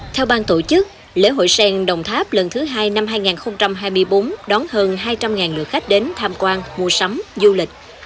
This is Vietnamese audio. theo bang tổ chức lễ hội sen đồng tháp lần thứ hai năm hai nghìn hai mươi bốn đón hơn hai trăm linh lượt khách đến tham quan mua sắm du lịch